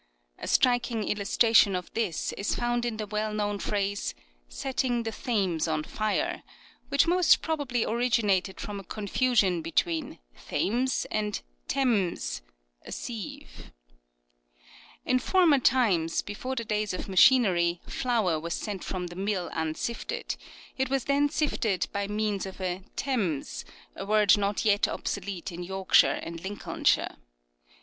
A striking illustration of this is found in the well known phrase, " Setting the Thames on fire," which most probably originated from a confusion between " Thames " and temse (a sieve). In former times, before the days of machinery, flour was sent from the mill unsifted ; it was then sifted by means of a " temse," a word not yet obsolete in Yorkshire and Lincolnshire.